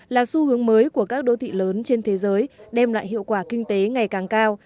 là xu hướng mới của các đô thị lớn trên thế giới đem lại hiệu quả kinh tế ngày càng cao